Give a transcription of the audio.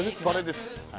それです